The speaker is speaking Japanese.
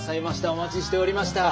お待ちしておりました。